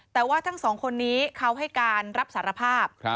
แต่ว่าทั้งสองคนนี้เขาให้การรับสารภาพ